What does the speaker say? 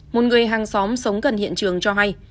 một người hàng xóm sống gần hiện trường cho hay